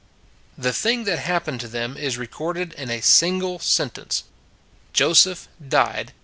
The thing that had happened to them is recorded in a single sentence. Joseph died.